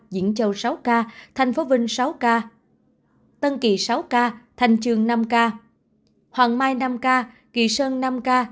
diễn châu sáu ca thành phố vinh sáu ca tân kỳ sáu ca thanh trường năm ca hoàng mai năm ca kỳ sơn năm ca